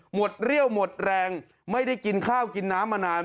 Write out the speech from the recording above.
เรี่ยวหมดแรงไม่ได้กินข้าวกินน้ำมานาน